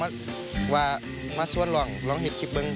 ที่มาที่กลับมาเห็นคลิป